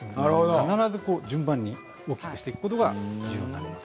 必ず順番に大きくしていくことが重要です。